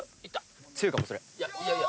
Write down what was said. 強いかもそれ。